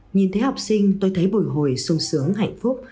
nhìn thấy học sinh tôi thấy bồi hồi sung sướng hạnh phúc